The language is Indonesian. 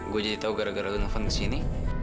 gue jadi tau gara gara lu nge phone ke sini